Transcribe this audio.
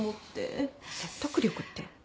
説得力って。